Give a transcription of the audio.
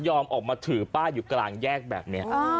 ออกมาถือป้ายอยู่กลางแยกแบบนี้